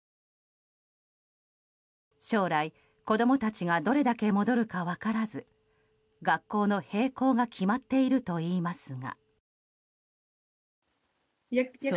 将来、子供たちがどれだけ戻るか分からず学校の閉校が決まっているといいますが。